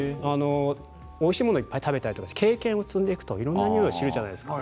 おいしいものをいっぱい食べたり経験を積んでいくといろんな匂いがするじゃないですか。